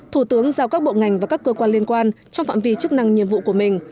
thủ tướng giao các bộ ngành và các cơ quan liên quan trong phạm vi chức năng nhiệm vụ của mình